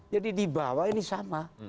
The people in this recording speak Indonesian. jadi dibawa ini sama